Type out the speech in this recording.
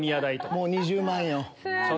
もう２０万よ。